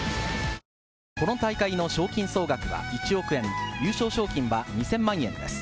この大会の賞金総額は１億円、優勝賞金は２０００万円です。